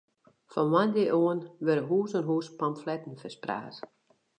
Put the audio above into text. Fan moandei ôf wurde hûs oan hûs pamfletten ferspraat.